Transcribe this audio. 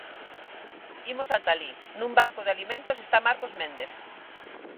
Imos ata alí, nun banco de alimentos está Marcos Méndez...